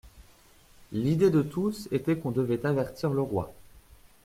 L'idée de tous était qu'on devait avertir le roi.